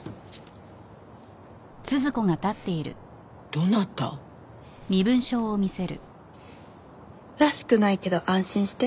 どなた？らしくないけど安心して。